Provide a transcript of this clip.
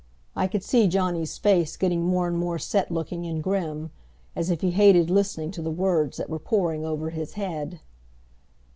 I could see Johnny's face getting more and more set looking and grim, as if he hated listening to the words that were pouring over his head.